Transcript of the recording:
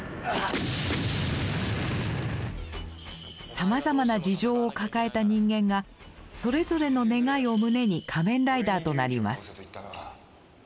さまざまな事情を抱えた人間がそれぞれの願いを胸に仮面ライダーとなります。